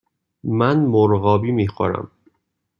من مرغابی می خورم.